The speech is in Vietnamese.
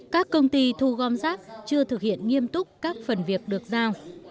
các công ty thu gom rác chưa thực hiện nghiêm túc các phần việc được giao